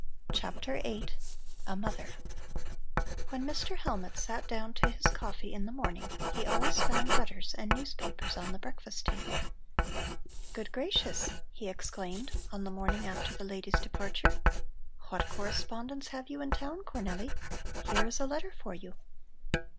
CHAPTER VIII A MOTHER When Mr. Hellmut sat down to his coffee in the morning he always found letters and newspapers on the breakfast table. "Good gracious!" he exclaimed on the morning after the ladies' departure, "what correspondents have you in town, Cornelli? Here is a letter for you."